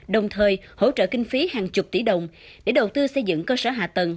đồng thời hỗ trợ kinh phí hàng chục tỷ đồng để đầu tư xây dựng cơ sở hạ tầng